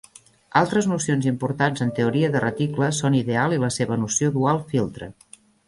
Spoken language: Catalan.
Altres nocions importants en teoria de reticles són ideal i la seva noció dual filtre.